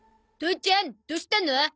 父ちゃんどうしたの？